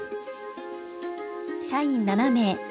社員７名。